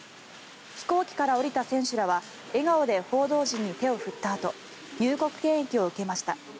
飛行機から降りた選手らは笑顔で報道陣に手を振ったあと入国検疫を受けました。